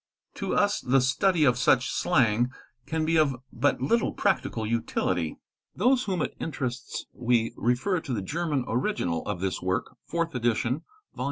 To us the study of such slang can be of but little practical utility. Those whom it interests we refer to the German original of — this work, 4th Edition, Vol.